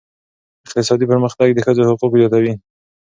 اقتصادي پرمختګ د ښځو حقوق زیاتوي.